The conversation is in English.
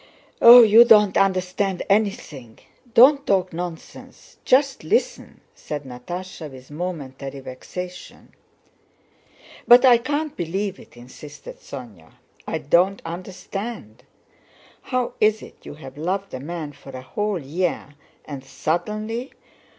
"Oh, you don't understand anything! Don't talk nonsense, just listen!" said Natásha, with momentary vexation. "But I can't believe it," insisted Sónya. "I don't understand. How is it you have loved a man for a whole year and suddenly...